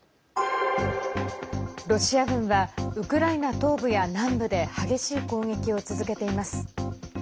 ロシア軍はウクライナ東部や南部で激しい攻撃を続けています。